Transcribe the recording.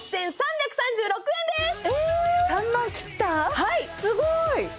はいすごい！